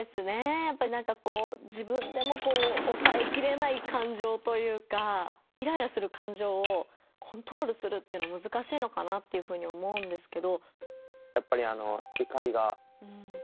やっぱりなんかこう自分でもこうおさえきれない感情というかイライラする感情をコントロールするっていうのはむずかしいのかなっていうふうに思うんですけど。